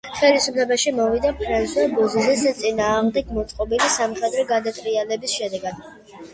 ხელისუფლებაში მოვიდა ფრანსუა ბოზიზეს წინააღმდეგ მოწყობილი სამხედრო გადატრიალების შედეგად.